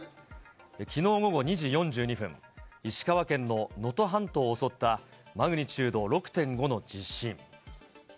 きのう午後２時４２分、石川県の能登半島を襲ったマグニチュード６．５の地震。